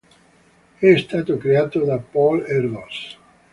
È stato creato da Paul Erdős.